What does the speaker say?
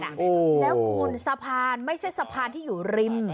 แล้วคุณสะพานไม่ใช่สะพานที่อยู่ริม